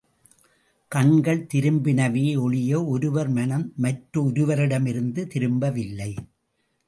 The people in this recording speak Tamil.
கண்கள் திரும்பினவே யொழிய ஒருவர் மனம் மற்றொருவரிடமிருந்து திரும்பவில்லை.